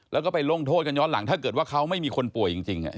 แล้วก็ไปลงโทษกันย้อนหลังถ้าเกิดว่าเขาไม่มีคนป่วยจริง